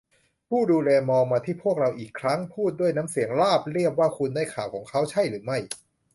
ผู้ดูแลมองมาที่พวกเราอีกครั้ง พูดด้วยน้ำเสียงราบเรียบว่า คุณได้ข่าวของเขาใช่หรือไม่